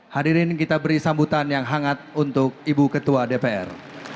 hadirin kita beri sambutan yang hangat untuk ibu ketua dpr